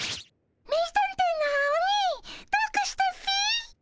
名探偵のアオニイどうかしたっピ？